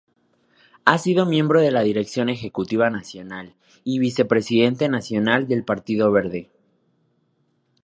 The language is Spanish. Ha sido miembro de la dirección ejecutiva nacional y vicepresidente nacional del Partido Verde.